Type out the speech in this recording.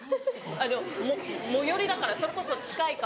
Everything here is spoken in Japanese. あの最寄りだからそれこそ近いから。